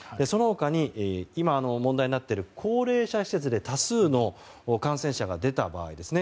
その他に今、問題になっている高齢者施設で多数の感染者が出た場合。